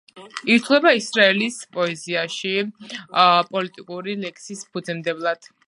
ითვლება ისრაელის პოეზიაში პოლიტიკური ლექსის ფუძემდებლად.